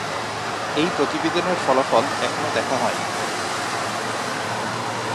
এই প্রতিবেদনের ফলাফল এখনও দেখা হয়নি।